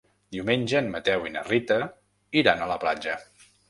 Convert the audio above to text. Diumenge en Mateu i na Rita iran a la platja.